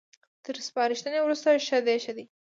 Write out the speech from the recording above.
تر سپارښتنې وروسته ښه ديښه دي